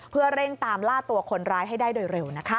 เพื่อเร่งตามล่าตัวคนร้ายให้ได้โดยเร็วนะคะ